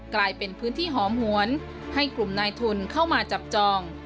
กลายเป็นพื้นที่หอมหวนให้กลุ่มนายทุนเข้ามาจับจอง